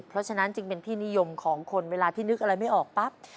เพราะฉะนั้นจึงเป็นที่นิยมของคนเวลาที่นึกอะไรไม่ออกปั๊บ